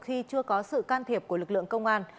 khi chưa có sự can thiệp của lực lượng công an